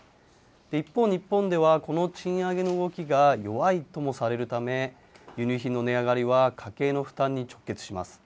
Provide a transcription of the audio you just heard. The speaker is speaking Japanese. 一方、日本ではこの賃上げの動きが弱いともされるため、輸入品の値上がりは家計の負担に直結します。